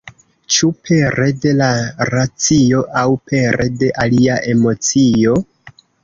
Ĉu pere de la racio aŭ pere de alia emocio?